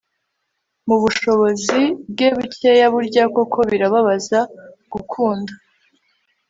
mu bushobozi bwe bukeya burya koko birababaza gukunda